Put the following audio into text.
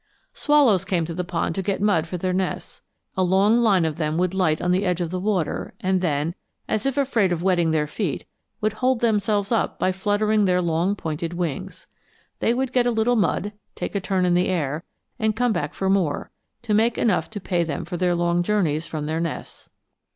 Swallows came to the pond to get mud for their nests. A long line of them would light on the edge of the water, and then, as if afraid of wetting their feet, would hold themselves up by fluttering their long pointed wings. They would get a little mud, take a turn in the air, and come back for more, to make enough to pay them for their long journeys from their nests.